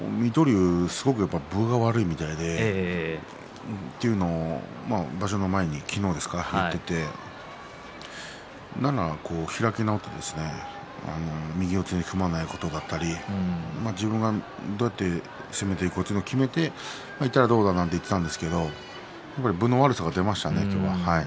水戸龍はすごく分が悪いみたいでというのを場所の前に昨日言っていてならば、開き直って右四つに組まないことだったり自分がどうやって攻めていこうと決めて相手がどうかなといっていたんですけれどもやっぱり分の悪さが出ましたね。